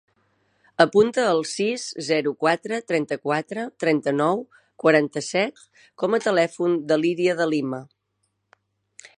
Apunta el sis, zero, quatre, trenta-quatre, trenta-nou, quaranta-set com a telèfon de l'Iria De Lima.